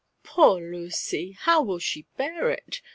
*'PoOR Lucy I how will she bear it?"